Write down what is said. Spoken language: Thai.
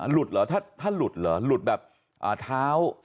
เหรอถ้าหลุดเหรอหลุดแบบเท้า